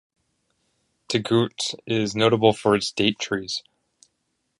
Touggourt is notable for its date trees.